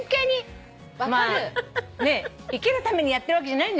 生きるためにやってるわけじゃないんですよ。